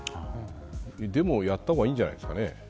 デモをやった方がいいんじゃないですかね。